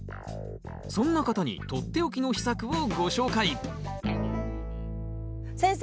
そんな方に取って置きの秘策をご紹介先生